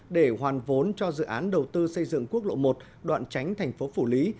để hoàn vốn cho dự án đầu tư xây dựng quốc lộ một đoạn tránh thành phố phủ lý